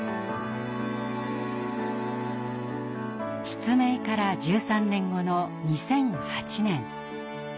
失明から１３年後の２００８年。